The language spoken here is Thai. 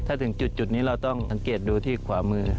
ถ้าถึงจุดนี้เราต้องสังเกตดูที่ขวามือ